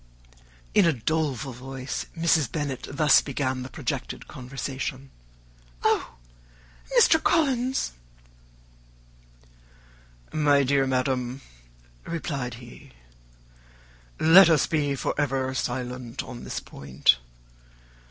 In a doleful voice Mrs. Bennet thus began the projected conversation: "Oh, Mr. Collins!" "My dear madam," replied he, "let us be for ever silent on this point.